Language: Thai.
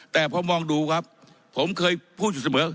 แต่พอมองดูครับผมเคยพูดอยู่เสมอ